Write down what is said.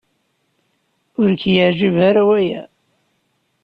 Ur k-yeɛjib ara waya?